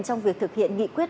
trong việc thực hiện nghị quyết